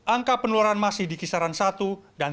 angka penularan masih di kisaran satu